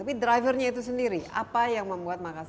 tapi drivernya itu sendiri apa yang membuat makassar